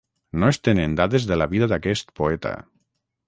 No es tenen dades de la vida d'aquest poeta.